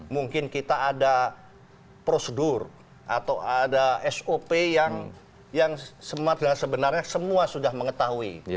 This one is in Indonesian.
mungkin kita ada prosedur atau ada sop yang sebenarnya semua sudah mengetahui